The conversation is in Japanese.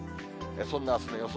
そんなあすの予想